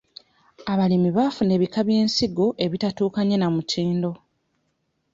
Abalimi bafuna ebika by'ensigo ebitatuukanye na mutindo.